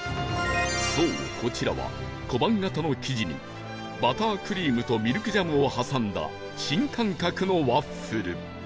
そうこちらは小判形の生地にバタークリームとミルクジャムを挟んだ新感覚のワッフル